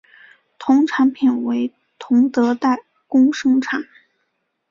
其产品为同德代工生产。